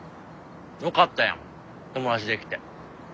よかったやん友達できて。